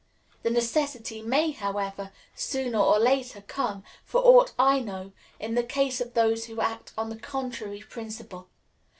The necessity may, however, sooner or later come, for aught I know, in the case of those who act on the contrary principle.